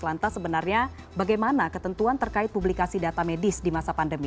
lantas sebenarnya bagaimana ketentuan terkait publikasi data medis di masa pandemi